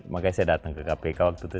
makanya saya datang ke kpk waktu itu